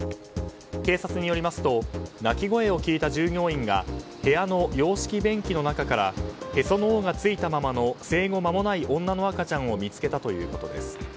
警察によりますと鳴き声を聞いた従業員が部屋の洋式便器の中からへその緒がついたままの生後まもない女の赤ちゃんを見つけたということです。